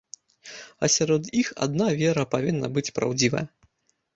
А сярод іх адна вера павінна быць праўдзівая.